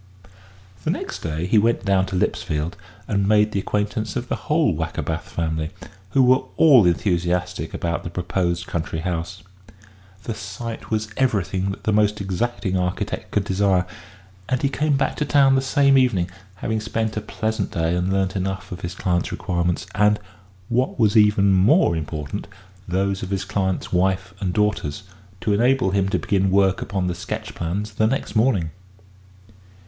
The next day he went down to Lipsfield and made the acquaintance of the whole Wackerbath family, who were all enthusiastic about the proposed country house. The site was everything that the most exacting architect could desire, and he came back to town the same evening, having spent a pleasant day and learnt enough of his client's requirements, and what was even more important those of his client's wife and daughters, to enable him to begin work upon the sketch plans the next morning.